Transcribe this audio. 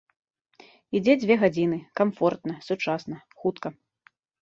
Ідзе дзве гадзіны, камфортна, сучасна, хутка.